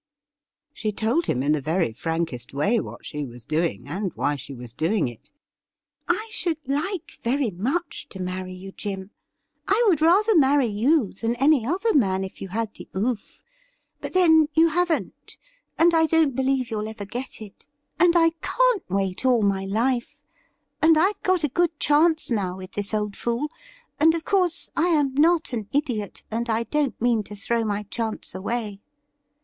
She told him in the very frankest way what she was doing, and why she was doing it. ' I should like very much to marry you, Jim. I would rather marry you than any other man if you had the oof ; but, then, you haven't, and I don't believe you'll ever get it — and I can't 4 THE RIDDLE RING wait all my life — and I've got a good chance now with this old fool — and of course I am not an idiot, and I don't mean to throw my chance away.